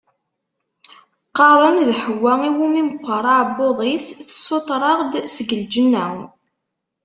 Qqaren d Ḥewwa iwumi meqqer aɛebbuḍ-is tessuṭer-aɣ-d seg lǧenna.